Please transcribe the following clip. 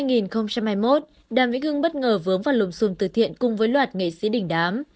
giữa năm hai nghìn hai mươi một đàm vĩnh hương bất ngờ vướng vào lùm xùm từ thiện cùng với loạt nghệ sĩ đỉnh đám